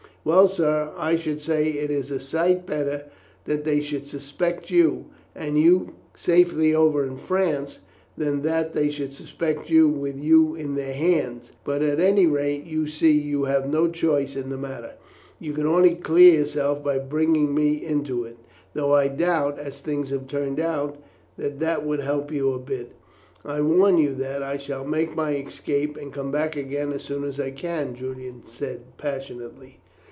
"Well, sir, I should say it is a sight better that they should suspect you, and you safely over in France, than that they should suspect you with you in their hands; but at any rate, you see you have no choice in the matter. You could only clear yourself by bringing me into it; though I doubt, as things have turned out, that that would help you a bit." "I warn you that I shall make my escape, and come back again as soon as I can," Julian said passionately.